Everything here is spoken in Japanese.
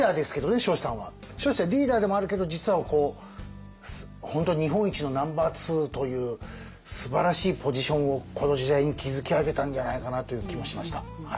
彰子さんリーダーでもあるけど実は本当に日本一のナンバーツーというすばらしいポジションをこの時代に築き上げたんじゃないかなという気もしました。